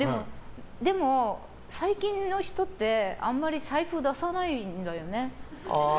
でも、最近の人ってあんまり財布出さないのよね。